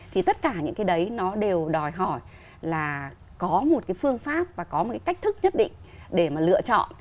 thì tất cả những cái đấy nó đều đòi hỏi là có một cái phương pháp và có một cái cách thức nhất định để mà lựa chọn